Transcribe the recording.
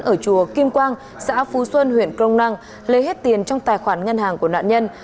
ở chùa kim quang xã phú xuân huyện crong năng lấy hết tiền trong tài khoản ngân hàng của nạn nhân